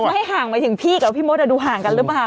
ต้องก็ไม่ให้ห่างไปถึงพี่กับพี่มดเอ๊ะดูห่างกันรึเปล่า